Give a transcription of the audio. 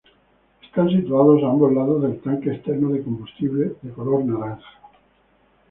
Están situados a ambos lados del tanque externo de combustible, de color naranja.